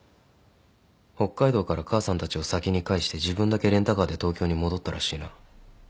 北海道から母さんたちを先に帰して自分だけレンタカーで東京に戻ったらしいな。